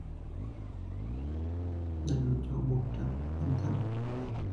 Đần cho một trận nên thân